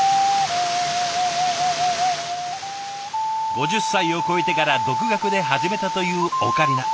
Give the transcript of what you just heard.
５０歳を超えてから独学で始めたというオカリナ。